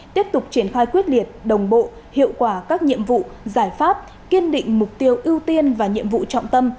tiếp tục triển khai quyết liệt đồng bộ hiệu quả các nhiệm vụ giải pháp kiên định mục tiêu ưu tiên và nhiệm vụ trọng tâm